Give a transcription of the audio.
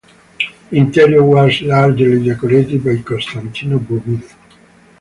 The interior was largely decorated by Constantino Brumidi.